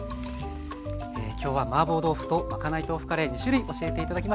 今日はマーボー豆腐とまかない豆腐カレー２種類教えて頂きました。